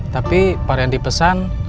tapi parian dipesan